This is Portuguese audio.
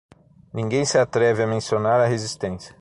Ninguém se atreve a mencionar a resistência